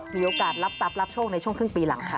มีโอกาสรับทรัพย์รับโชคในช่วงครึ่งปีหลังค่ะ